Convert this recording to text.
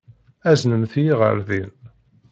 Aznemt-iyi ɣer din.